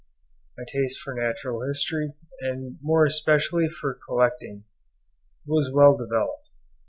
') my taste for natural history, and more especially for collecting, was well developed.